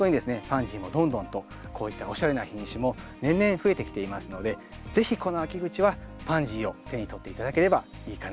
パンジーもどんどんとこういったおしゃれな品種も年々増えてきていますので是非この秋口はパンジーを手に取って頂ければいいかなと思います。